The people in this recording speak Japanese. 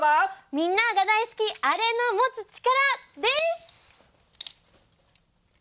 みんなが大好きあれの持つチカラです！